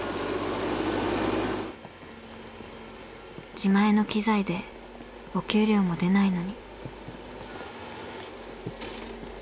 自前の機材でお給料も出ないのに。